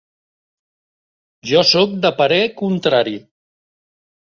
Jo soc de parer contrari.